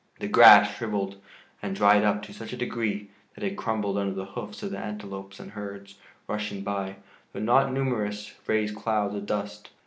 The grass shriveled and dried up to such a degree that it crumbled under the hoofs of the antelopes, and herds, rushing by, though not numerous, raised clouds of dust.